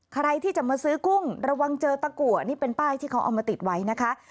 ใครที่จะมาซื้อกุ้งระวังเจอตะกัวนี่เป็นป้ายที่เขาเอามาติดไว้นะคะ